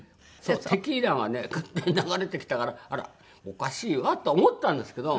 テキーラがね勝手に流れてきたから「あらおかしいわ」とは思ったんですけど。